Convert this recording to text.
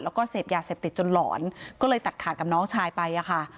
แล้วก็เสพยาเสพติดจนหลอนก็เลยตัดขาดกับน้องชายไปอะค่ะ